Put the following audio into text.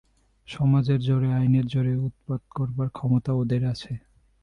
সমাজের জোরে, আইনের জোরে উৎপাত করবার ক্ষমতা ওদের আছে।